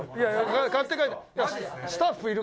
買って帰る。